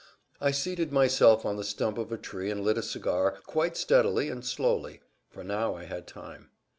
I seated myself on the stump of a tree and lit a cigar, quite steadily and slowly; for now I had time.